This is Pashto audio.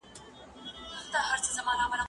زه انځور ليدلی دی!.